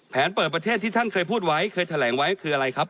เปิดประเทศที่ท่านเคยพูดไว้เคยแถลงไว้คืออะไรครับ